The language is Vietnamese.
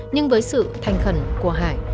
nhưng với sự thanh khẩn của hải